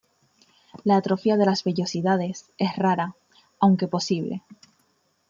La atrofia de las vellosidades, es rara, aunque posible.